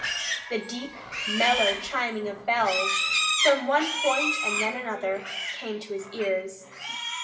The deep, mellow chiming of bells, from one point and then from another, came to his ears.